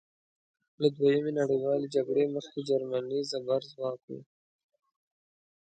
له دویمې نړیوالې جګړې مخکې جرمني زبرځواک وه.